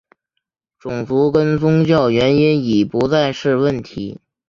种族跟宗教原因已不再是问题。